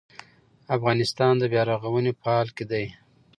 افغانستان د بیا رغونې په حال کې دی